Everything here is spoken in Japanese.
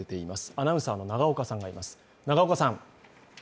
アナウンサーの永岡さんがいます。